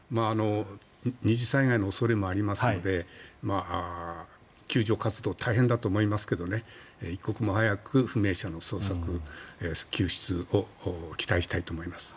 二次災害の恐れもありますので救助活動、大変だと思いますけど一刻も早く不明者の捜索、救出を期待したいと思います。